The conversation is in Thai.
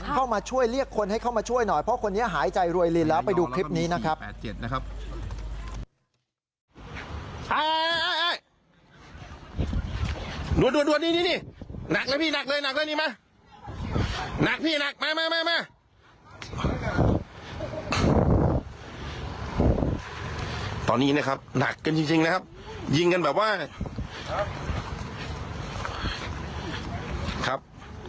เข้ามาช่วยเรียกคนให้เข้ามาช่วยหน่อยเพราะคนนี้หายใจรวยลินแล้วไปดูคลิปนี้นะครับ